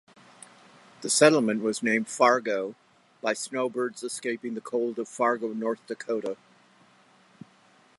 The settlement was named Fargo by snowbirds escaping the cold of Fargo, North Dakota.